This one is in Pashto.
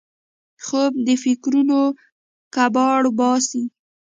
خوب د فکرونو کباړ وباسي